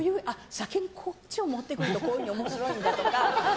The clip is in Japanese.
先にこっちを持ってくるとこういうふうに面白いんだとか